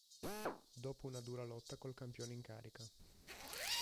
Dopo una dura lotta col campione in carica.